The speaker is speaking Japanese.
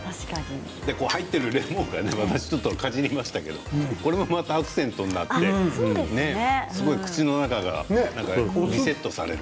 入っているレモンが私かじりましたけどこれもまたアクセントになって口の中がリセットされる。